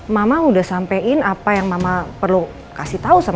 mama udah sampein apa yang mama perlu kasih tahu sama